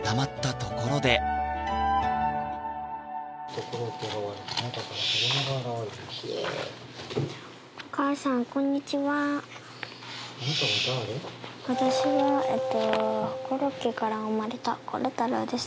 それでも「私はコロッケから生まれたコロ太郎です